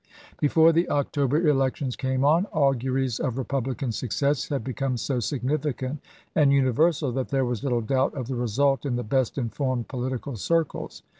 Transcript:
Before the October elections came on, auguries of Republican success had become so significant and universal that there was little doubt of the result in the best informed political circles.